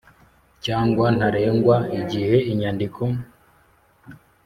cyangwa ntarengwa igihe inyandiko